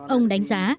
ông đánh giá